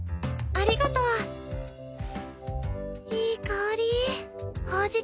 ありがとう。